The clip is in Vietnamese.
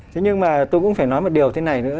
thế nhưng mà tôi cũng phải nói một điều thế này nữa